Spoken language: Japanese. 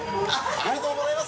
ありがとうございます